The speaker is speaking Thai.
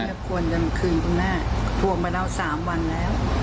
คุณแม่ควรจำคืนคุณแม่ทวงมาเรา๓วันแล้ว